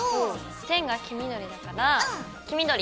線が黄緑だから黄緑！